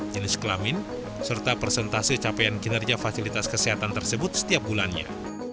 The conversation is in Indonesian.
jenis kelamin serta persentase capaian kinerja fasilitas kesehatan tersebut setiap bulannya